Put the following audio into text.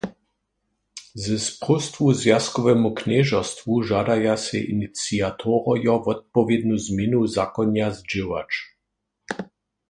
Z próstwu zwjazkowemu knježerstwu žadaja sej iniciatorojo wotpowědnu změnu zakonja zdźěłać.